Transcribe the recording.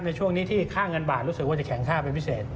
ในช่วงนี้ที่ค่าเงินบาทรู้สึกว่าจะแข็งค่าเป็นพิเศษ